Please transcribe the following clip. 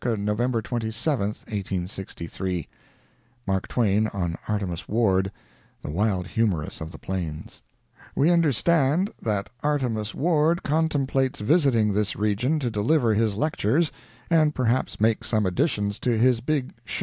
November 27, 1863 [Mark Twain on Artemus Ward, "The Wild Humorist of the Plains"] We understand that Artemus Ward contemplates visiting this region to deliver his lectures, and perhaps make some additions to his big "sho."